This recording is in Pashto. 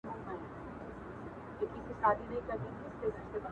چې ومې مونده